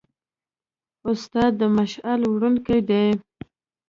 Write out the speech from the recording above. استاد د مشعل وړونکی دی.